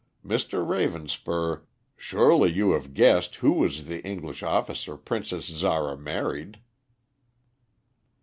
Mr. Ravenspur, surely you have guessed who was the English officer Princess Zara married?"